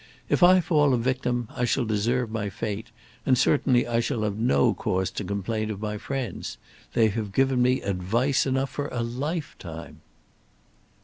If I fall a victim I shall deserve my fate, and certainly I shall have no cause to complain of my friends. They have given me advice enough for a lifetime."